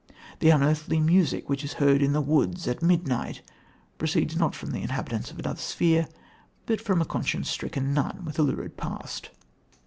The unearthly music which is heard in the woods at midnight proceeds, not from the inhabitants of another sphere, but from a conscience stricken nun with a lurid past.